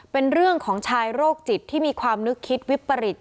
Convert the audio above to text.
เป็นเรื่องของชายโรคจิตที่มีความนึกคิดวิปริต